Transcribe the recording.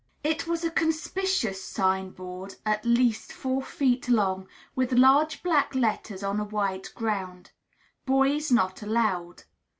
It was a conspicuous signboard, at least four feet long, with large black letters on a white ground: "Boys not allowed."